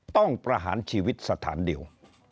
ประหารชีวิตสถานเดียว